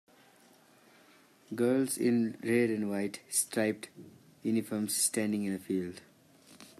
Girls in red and white striped uniforms standing in a field.